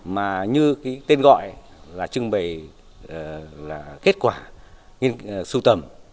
mà như cái tên gọi là trưng bày là kết quả nghiên cứu sưu tầm